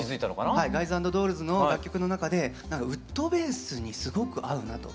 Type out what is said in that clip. はい「ガイズ＆ドールズ」の楽曲の中でウッドベースにすごく合うなと。